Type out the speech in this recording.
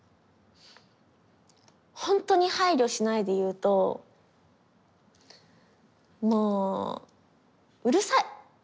ほんとに配慮しないで言うともううるさい。